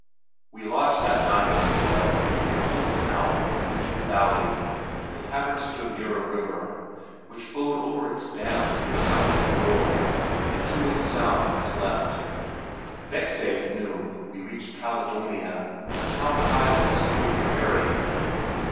We lodged that night in Hokah, a little town in a deep valley. The tavern stood near a river which flowed over its dam with resounding roar and to its sound I slept. Next day at noon we reached Caledonia, a town high on the snowy prairie.